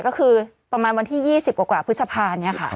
ก็คือประมาณวันที่๒๐กว่าพฤษภานี้ค่ะ